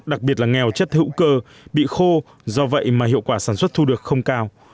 đặc biệt là nghèo chất hữu cơ bị khô do vậy mà hiệu quả sản xuất thu được không cao